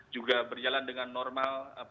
juga berjalan dengan normal